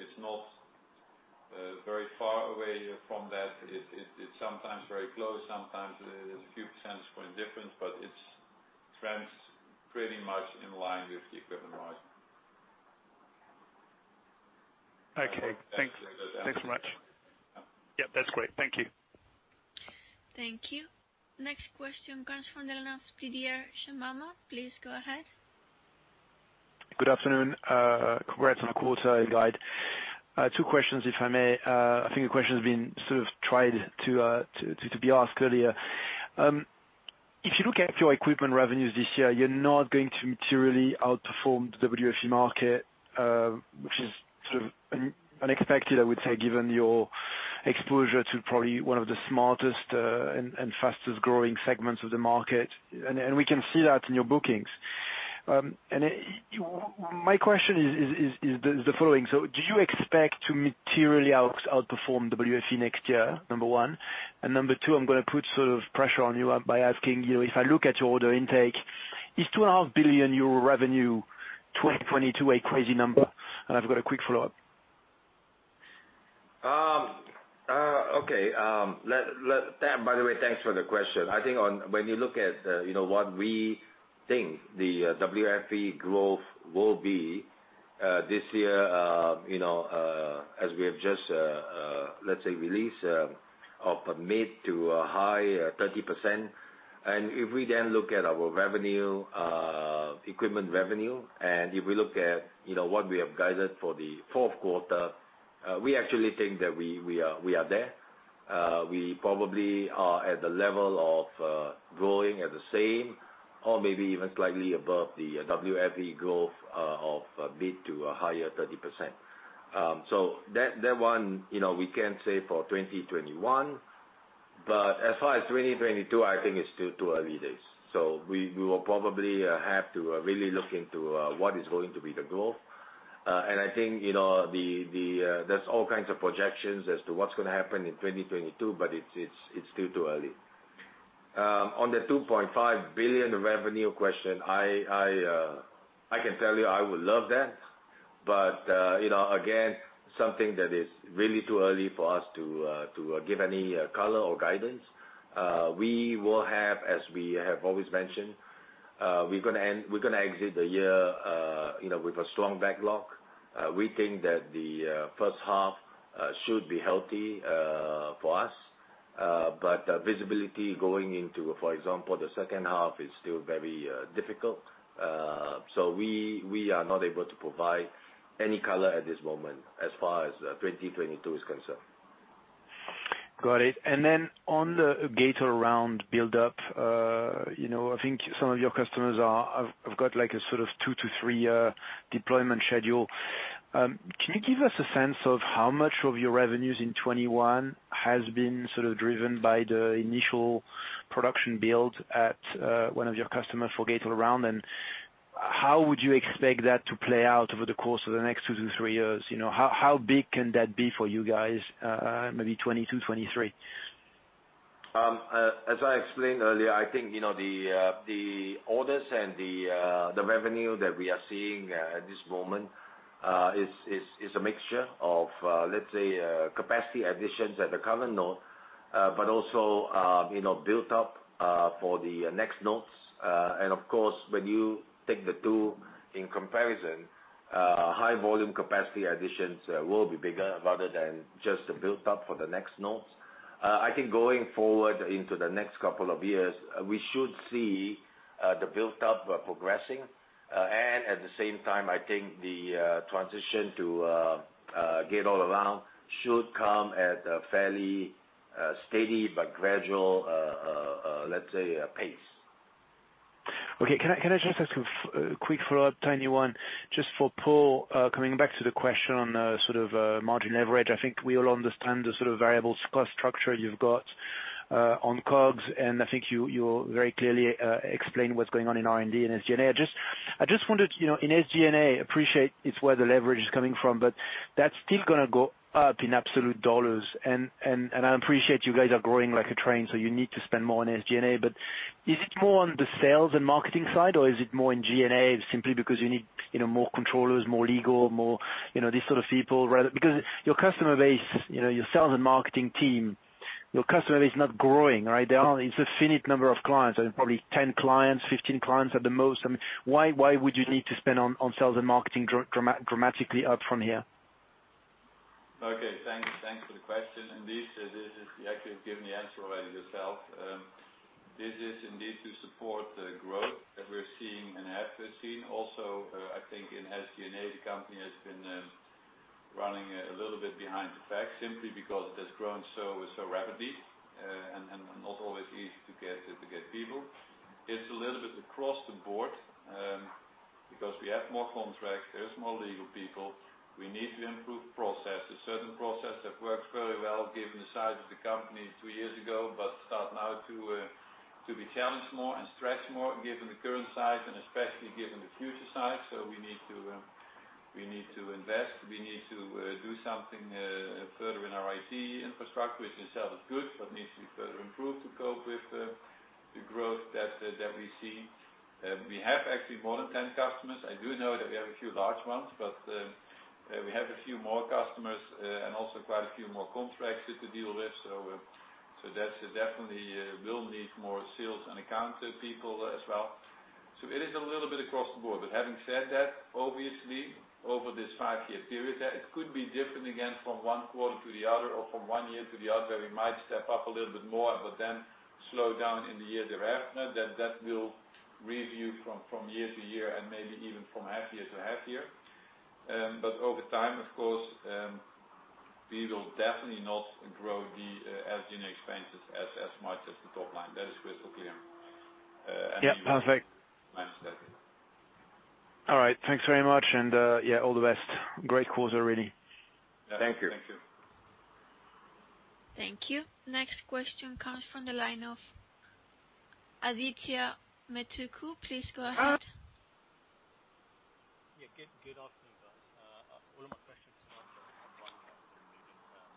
It's not very far away from that. It's sometimes very close, sometimes there's a few percentage points difference, but it trends pretty much in line with the equipment margin. Okay, thanks. Thanks very much. Yeah. Yep, that's great. Thank you. Thank you. Next question comes from the line of Didier Scemama. Please go ahead. Good afternoon. Congrats on the quarter guide. Two questions, if I may. I think a question has been sort of tried to be asked earlier. If you look at your equipment revenues this year, you're not going to materially outperform the WFE market, which is sort of unexpected, I would say, given your exposure to probably one of the smartest and fastest growing segments of the market. We can see that in your bookings. My question is the following. Do you expect to materially outperform WFE next year? Number one. Number two, I'm gonna put sort of pressure on you by asking you, if I look at your order intake, is 2.5 billion euro revenue 2022 a crazy number? I've got a quick follow-up. By the way, thanks for the question. I think when you look at, you know, what we think the WFE growth will be this year, you know, as we have just let's say released of a mid- to high 30%. If we then look at our revenue, equipment revenue, and if we look at, you know, what we have guided for the fourth quarter, we actually think that we are there. We probably are at the level of growing at the same or maybe even slightly above the WFE growth of a mid- to higher 30%. That one, you know, we can say for 2021, but as far as 2022, I think it's still too early days. We will probably have to really look into what is going to be the growth. I think, you know, the, there's all kinds of projections as to what's gonna happen in 2022, but it's still too early. On the 2.5 billion revenue question, I can tell you I would love that. You know, again, something that is really too early for us to give any color or guidance. We will have, as we have always mentioned. We're gonna exit the year, you know, with a strong backlog. We think that the first half should be healthy for us. Visibility going into, for example, the second half is still very difficult. We are not able to provide any color at this moment as far as 2022 is concerned. Got it. Then on the gate-all-around build up, you know, I think some of your customers have got, like, a sort of 2-3-year deployment schedule. Can you give us a sense of how much of your revenues in 2021 has been sort of driven by the initial production build at one of your customers for gate-all-around? And how would you expect that to play out over the course of the next 2-3 years? You know, how big can that be for you guys, maybe 2022, 2023? As I explained earlier, I think, you know, the orders and the revenue that we are seeing at this moment is a mixture of, let's say, capacity additions at the current node, but also, you know, built up for the next nodes. Of course, when you take the two in comparison, high volume capacity additions will be bigger rather than just the built up for the next nodes. I think going forward into the next couple of years, we should see the built up progressing. At the same time, I think the transition to gate-all-around should come at a fairly steady but gradual, let's say, pace. Okay. Can I just ask a quick follow-up, tiny one, just for Paul, coming back to the question on the sort of margin leverage. I think we all understand the sort of variable cost structure you've got on COGS, and I think you very clearly explained what's going on in R&D and SG&A. I just wondered, you know, in SG&A, appreciate it's where the leverage is coming from, but that's still gonna go up in absolute dollars. And I appreciate you guys are growing like a train, so you need to spend more on SG&A. But is it more on the sales and marketing side, or is it more in G&A simply because you need, you know, more controllers, more legal, more, you know, these sort of people rather? Because your customer base, you know, your sales and marketing team, your customer base is not growing, right? No. It's a finite number of clients, and probably 10 clients, 15 clients at the most. I mean, why would you need to spend on sales and marketing dramatically up from here? Okay. Thank you. Thanks for the question. This is. You actually have given the answer already yourself. This is indeed to support the growth that we're seeing and have been seeing. Also, I think in SG&A, the company has been running a little bit behind the fact simply because it has grown so rapidly and not always easy to get people. It's a little bit across the board because we have more contracts, there's more legal people. We need to improve processes. Certain processes have worked very well given the size of the company two years ago, but start now to be challenged more and stretched more given the current size and especially given the future size. We need to invest, do something further in our IT infrastructure, which itself is good, but needs to be further improved to cope with the growth that we see. We have actually more than 10 customers. I do know that we have a few large ones, but we have a few more customers, and also quite a few more contracts to deal with. That's definitely will need more sales and account people as well. It is a little bit across the board. Having said that, obviously over this five-year period, it could be different again from one quarter to the other or from one year to the other. We might step up a little bit more but then slow down in the year thereafter. That will vary from year to year and maybe even from half year to half year. Over time, of course, we will definitely not grow the SG&A expenses as much as the top line. That is crystal clear. Yeah. Perfect. I understand. All right. Thanks very much. Yeah, all the best. Great quarter really. Thank you. Thank you. Thank you. Next question comes from the line of Adithya Metuku. Please go ahead. Yeah. Good afternoon, guys. All of my questions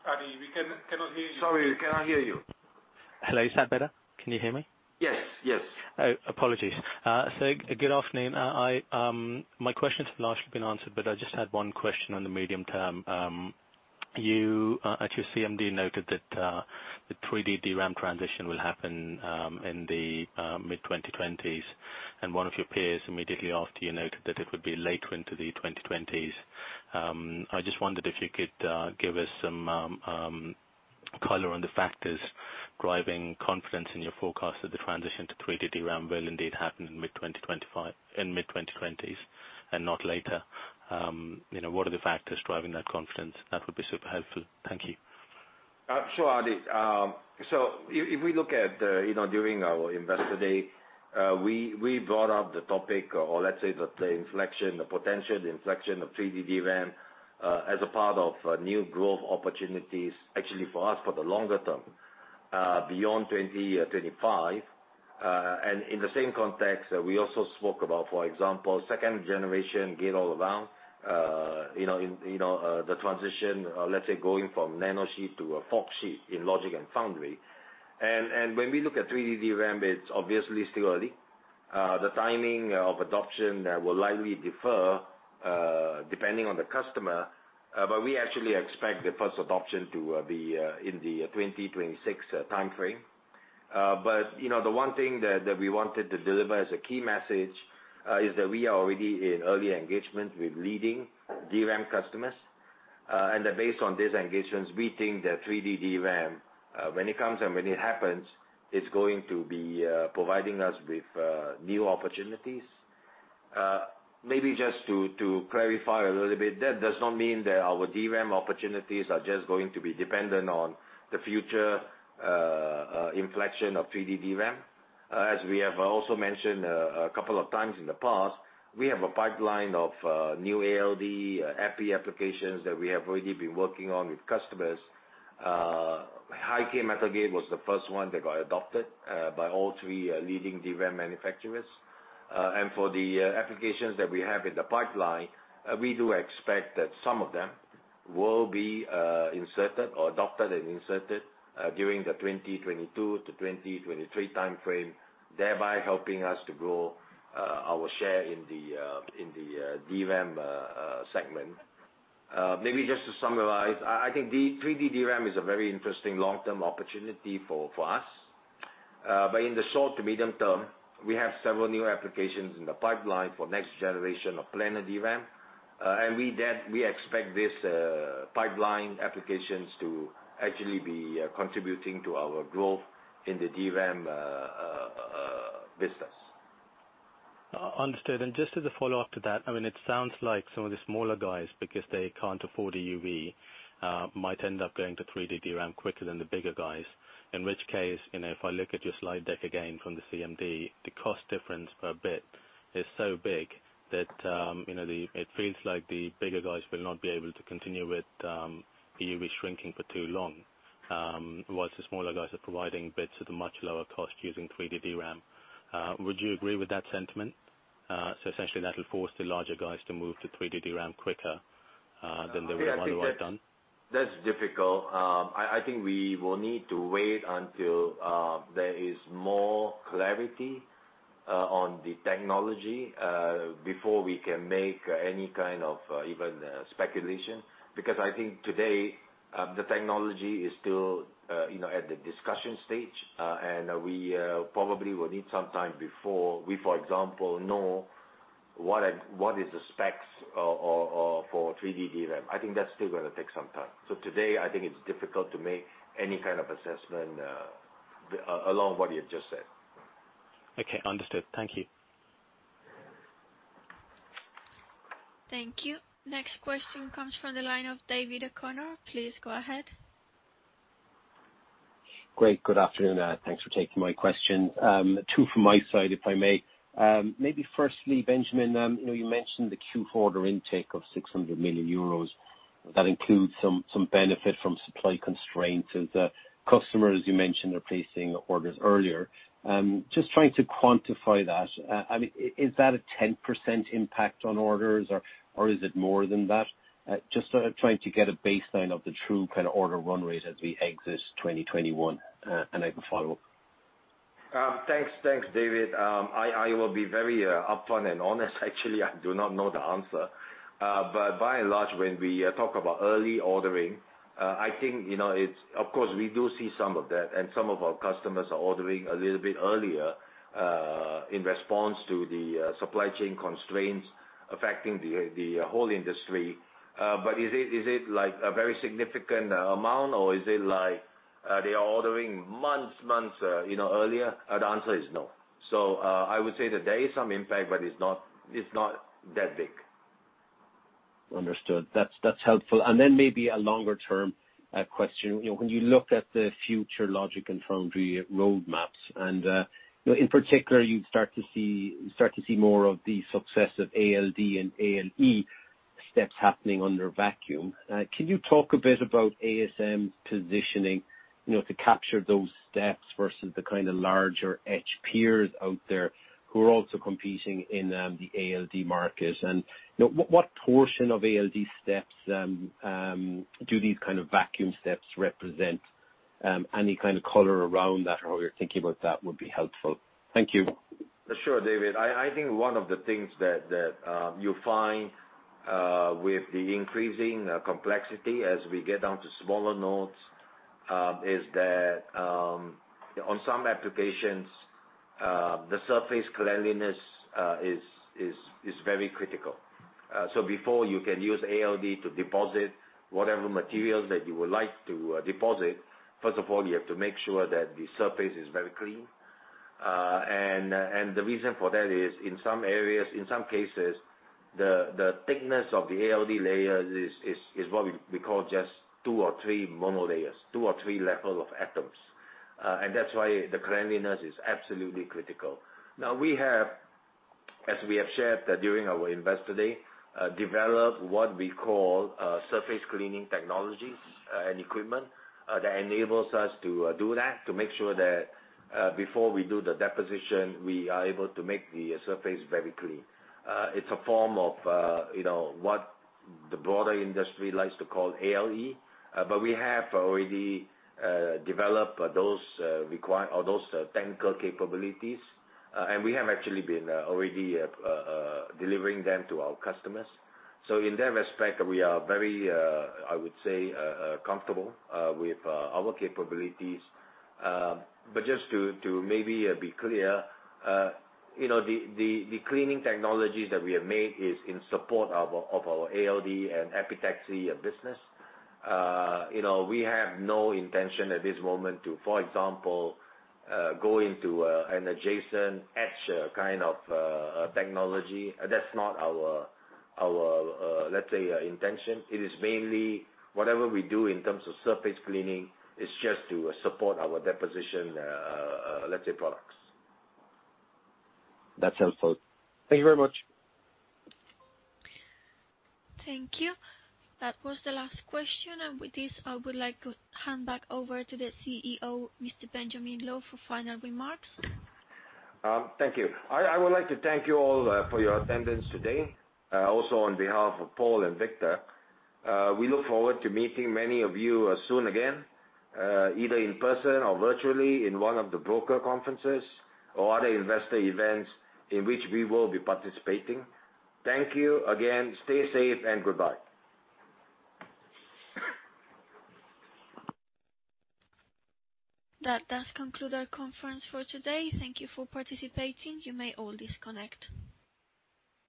have been answered. Adi, we cannot hear you. Sorry, we cannot hear you. Hello. Is that better? Can you hear me? Yes. Yes. Oh, apologies. Good afternoon. I, my questions have largely been answered. I just had one question on the medium term. You actually CMD noted that the 3D DRAM transition will happen in the mid-2020s, and one of your peers immediately after you noted that it would be later into the 2020s. I just wondered if you could give us some color on the factors driving confidence in your forecast that the transition to 3D DRAM will indeed happen in mid-2020s and not later. You know, what are the factors driving that confidence? That would be super helpful. Thank you. Sure, Adi. So if we look at, you know, during our Investor Day, we brought up the topic or let's say the inflection, the potential inflection of 3D DRAM, as a part of new growth opportunities actually for us for the longer term, beyond 25. In the same context, we also spoke about, for example, second generation gate-all-around, you know, the transition, let's say going from nanosheet to a forksheet in Logic and Foundry. When we look at 3D DRAM, it's obviously still early. The timing of adoption will likely differ, depending on the customer. We actually expect the first adoption to be in the 2026 time frame. You know, the one thing that we wanted to deliver as a key message is that we are already in early engagement with leading DRAM customers and that based on these engagements, we think that 3D DRAM when it comes and when it happens, it's going to be providing us with new opportunities. Maybe just to clarify a little bit, that does not mean that our DRAM opportunities are just going to be dependent on the future inflection of 3D DRAM. As we have also mentioned a couple of times in the past, we have a pipeline of new ALD FE applications that we have already been working on with customers. High-K metal gate was the first one that got adopted by all three leading DRAM manufacturers. For the applications that we have in the pipeline, we do expect that some of them will be inserted or adopted and inserted during the 2022 to 2023 time frame, thereby helping us to grow our share in the DRAM segment. Maybe just to summarize, I think 3D DRAM is a very interesting long-term opportunity for us. In the short to medium term, we have several new applications in the pipeline for next generation of planar DRAM. We expect this pipeline applications to actually be contributing to our growth in the DRAM business. Understood. Just as a follow-up to that, I mean, it sounds like some of the smaller guys, because they can't afford EUV, might end up going to 3D DRAM quicker than the bigger guys. In which case, you know, if I look at your slide deck again from the CMD, the cost difference per bit is so big that, you know, it feels like the bigger guys will not be able to continue with EUV shrinking for too long, while the smaller guys are providing bits at a much lower cost using 3D DRAM. Would you agree with that sentiment? Essentially that will force the larger guys to move to 3D DRAM quicker than they would have otherwise done. I think that's difficult. I think we will need to wait until there is more clarity on the technology before we can make any kind of even speculation. Because I think today the technology is still you know at the discussion stage. We probably will need some time before we for example know what is the specs for 3D DRAM. I think that's still gonna take some time. Today I think it's difficult to make any kind of assessment along what you just said. Okay, understood. Thank you. Thank you. Next question comes from the line of David O'Connor. Please go ahead. Great. Good afternoon. Thanks for taking my question. Two from my side, if I may. Maybe firstly, Benjamin, you know, you mentioned the Q4 order intake of 600 million euros. That includes some benefit from supply constraints as customers, you mentioned, are placing orders earlier. Just trying to quantify that. I mean, is that a 10% impact on orders or is it more than that? Just trying to get a baseline of the true kind of order run rate as we exit 2021. I can follow up. Thanks. Thanks, David. I will be very up front and honest. Actually, I do not know the answer. By and large, when we talk about early ordering, I think, you know, it's, of course, we do see some of that, and some of our customers are ordering a little bit earlier in response to the supply chain constraints affecting the whole industry. Is it like a very significant amount or is it like they are ordering months, you know, earlier? The answer is no. I would say that there is some impact, but it's not that big. Understood. That's helpful. Maybe a longer-term question. You know, when you looked at the future logic and foundry roadmaps, and you know, in particular, you start to see more of the success of ALD and ALE steps happening under vacuum. Can you talk a bit about ASM's positioning, you know, to capture those steps versus the kind of larger etch peers out there who are also competing in the ALD market? You know, what portion of ALD steps do these kind of vacuum steps represent? Any kind of color around that or how you're thinking about that would be helpful. Thank you. Sure, David. I think one of the things that you'll find with the increasing complexity as we get down to smaller nodes is that on some applications the surface cleanliness is very critical. Before you can use ALD to deposit whatever materials that you would like to deposit, first of all, you have to make sure that the surface is very clean. The reason for that is in some areas, in some cases, the thickness of the ALD layers is what we call just two or three monolayers, two or three levels of atoms. That's why the cleanliness is absolutely critical. Now, we have, as we have shared, during our Investor Day, developed what we call, surface cleaning technologies, and equipment, that enables us to, do that, to make sure that, before we do the deposition, we are able to make the, surface very clean. It's a form of, you know, what the broader industry likes to call ALE. But we have already developed those technical capabilities. And we have actually been already delivering them to our customers. In that respect, we are very, I would say, comfortable with our capabilities. But just to maybe be clear, you know, the cleaning technologies that we have made is in support of our ALD and epitaxy business. You know, we have no intention at this moment to, for example, go into an adjacent etcher kind of technology. That's not our, let's say, intention. It is mainly whatever we do in terms of surface cleaning is just to support our deposition, let's say products. That's helpful. Thank you very much. Thank you. That was the last question. With this, I would like to hand back over to the CEO, Mr. Benjamin Loh for final remarks. Thank you. I would like to thank you all for your attendance today, also on behalf of Paul and Victor. We look forward to meeting many of you soon again, either in person or virtually in one of the broker conferences or other investor events in which we will be participating. Thank you again. Stay safe and goodbye. That does conclude our conference for today. Thank you for participating. You may all disconnect.